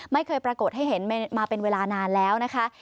ไม่เคยปรากฏให้เห็นมาเป็นเวลานานแล้วนะคะ